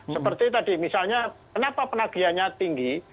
seperti tadi misalnya kenapa penagihannya tinggi